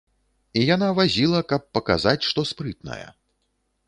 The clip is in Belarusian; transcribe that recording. І яна вазіла, каб паказаць, што спрытная.